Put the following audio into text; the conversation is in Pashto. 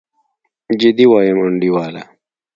جدي وايم انډيواله.